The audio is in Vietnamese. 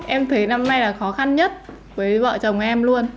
em thấy năm nay là khó khăn nhất với vợ chồng em luôn